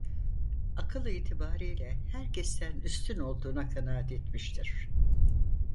Akıl itibariyle herkesten üstün olduğuna kanaat etmiştir…